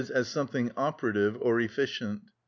_, as something operative or efficient.